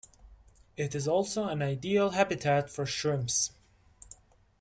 It is also an ideal habitat for shrimps.